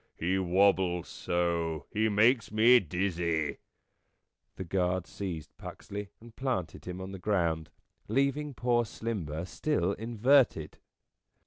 He wobbles so he makes me dizzy ." The guards seized Puxley and planted him on the ground, leaving poor Slimber still inverted.